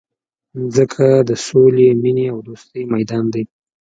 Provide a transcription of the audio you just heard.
مځکه د سولي، مینې او دوستۍ میدان دی.